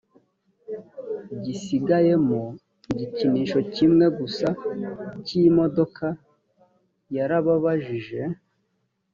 gisigayemo igikinisho kimwe gusa cy imodoka yarababajije